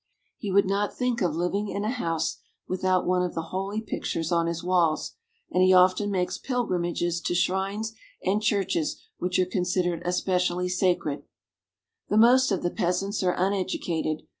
He would not think of living in a house without 328 RUSSIA. one of the holy pictures on his walls, and he often makes pilgrimages to shrines and churches which are considered especially sacred. The most of the peasants are uneducated.